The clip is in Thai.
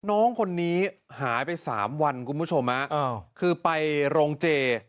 น้องคนนี้หายไปสามวันคุณผู้ชมฮะคือไปโรงเจ